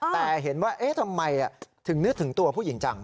แต่เห็นว่าเอ๊ะทำไมถึงนึกถึงตัวผู้หญิงจัง